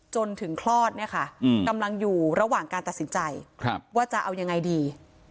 จนถึงคลอดเนี่ยค่ะกำลังอยู่ระหว่างการตัดสินใจว่าจะเอายังไงดี